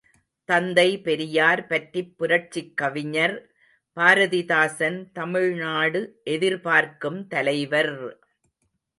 தந்தை பெரியார் பற்றிப் புரட்சிக் கவிஞர் பாரதிதாசன் தமிழ்நாடு எதிர்பார்க்கும் தலைவர்!